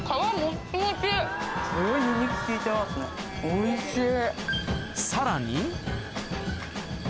おいしい。